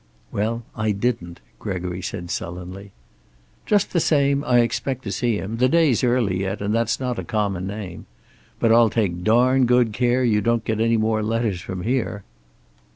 "Well, I didn't," Gregory said sullenly. "Just the same, I expect to see him. The day's early yet, and that's not a common name. But I'll take darned good care you don't get any more letters from here."